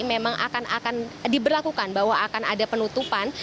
memang akan diberlakukan bahwa akan ada penutupan